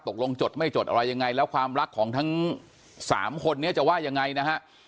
ตกลงจดไม่จดอะไรยังไงแล้วความรักของทั้ง๓คนนี้จะว่ายังไงนะฮะ